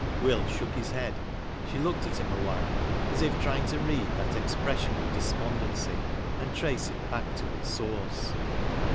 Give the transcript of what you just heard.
Will shook his head. She looked at him awhile, as if trying to read that expression of despondency and trace it back to its source.